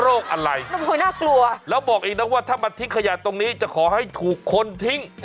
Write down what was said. โรคอะไรแล้วบอกอีกแล้วว่าถ้ามันทิ้งขยะตรงนี้จะขอให้ถูกคนทิ้ง